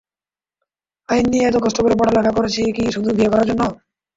আইন নিয়ে এত কষ্ট করে পড়ালেখা করেছি কি শুধু বিয়ে করার জন্যে?